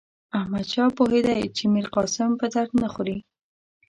احمدشاه پوهېدی چې میرقاسم په درد نه خوري.